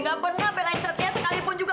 gak pernah belain setia sekalipun juga